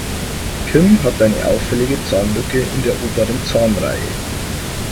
Kim hat eine auffällige Zahnlücke in der oberen Zahnreihe.